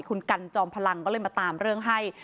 คุณกันจอมพลังก็เลยมาตามเรื่องให้